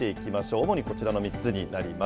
主にこちらの３つになります。